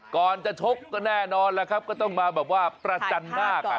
ก่อนจะชกก็แน่นอนแล้วครับก็ต้องมาแบบว่าประจันหน้ากัน